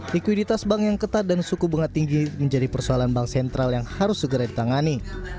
likuiditas bank yang ketat dan suku bunga tinggi menjadi persoalan bank sentral yang harus segera ditangani